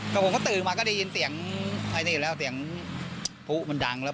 ก็ผมก็ตื่นมาก็ได้ยินเสียงไอ้นี่แล้วเสียงผู้มันดังแล้ว